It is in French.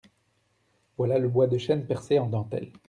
Voilà le bois de chêne percé en dentelle.